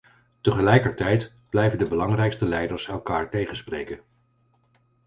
Tegelijkertijd blijven de belangrijkste leiders elkaar tegenspreken.